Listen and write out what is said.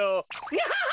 ニャハハ。